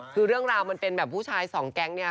คือเรื่องราวมันเป็นแบบผู้ชายสองแก๊งเนี่ย